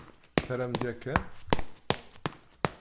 Terram-d yakan?